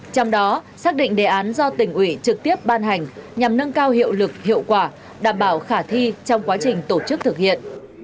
trong đó xác định đề án do tỉnh ủy trực tiếp ban hành nhằm nâng cao hiệu lực hiệu quả đảm bảo khả thi trong quá trình tổ chức thực hiện